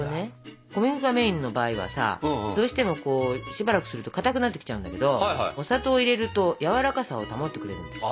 小麦粉がメインの場合はさどうしてもしばらくするとかたくなってきちゃうんだけどお砂糖を入れるとやわらかさを保ってくれるんです。